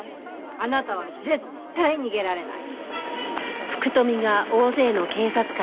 あなたは絶対逃げられない。